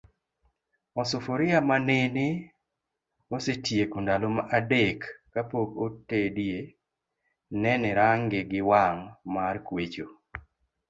Osufuria manene osetieko ndalo adek kapok otedie nene range gi wang' mar kwecho.